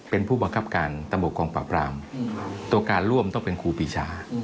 เป็นผู้บังคับการตำรวจกองปราบรามตัวการร่วมต้องเป็นครูปีชา